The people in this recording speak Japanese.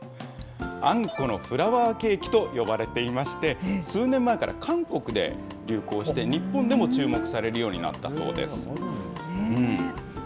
あんこのフラワーケーキと呼ばれていまして、数年前から韓国で流行して、日本でも注目されるようになったそうです。